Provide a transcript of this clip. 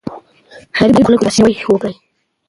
د غريبو خلګو لاسنيوی وکړئ.